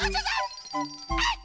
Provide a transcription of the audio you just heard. あっ！